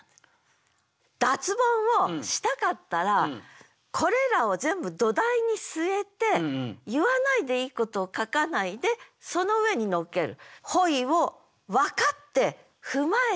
脱ボンをしたかったらこれらを全部土台に据えて言わないでいいことを書かないでその上に乗っける。